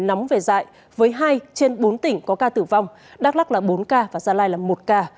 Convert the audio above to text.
tình hình bệnh dạy với hai trên bốn tỉnh có ca tử vong đắk lắc là bốn ca và gia lai là một ca